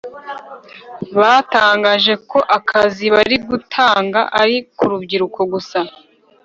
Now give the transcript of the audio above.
batangaje ko akazi bari gutanga ari kurubyiruko gusa